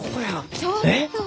ちょっと。